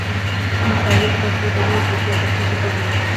مقالي په پښتو، دري، ازبکي او ترکي ژبو وې.